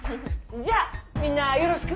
じゃあみんなよろしく！